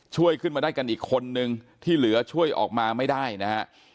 ช่วยขึ้นมาได้กันอีกคนนึงที่เหลือช่วยออกมาไม่ได้นะฮะ